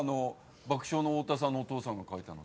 爆笑の太田さんのお父さんが書いたのって。